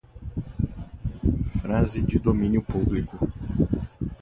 Frase de domínio publico